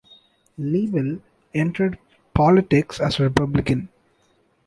Leibell entered politics as a Republican.